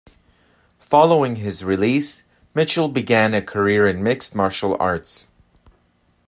Following his release, Mitchell began a career in mixed martial arts.